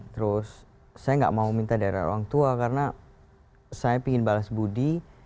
terus saya tidak mau minta darah orang tua karena saya ingin bales budi